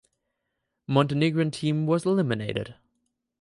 Montenegrin team was eliminated.